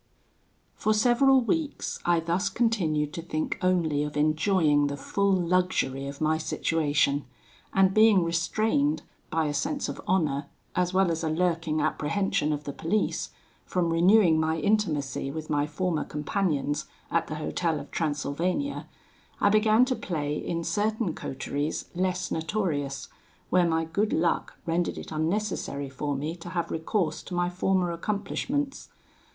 "For several weeks I thus continued to think only of enjoying the full luxury of my situation; and being restrained, by a sense of honour, as well as a lurking apprehension of the police, from renewing my intimacy with my former companions at the hotel of Transylvania, I began to play in certain coteries less notorious, where my good luck rendered it unnecessary for me to have recourse to my former accomplishments.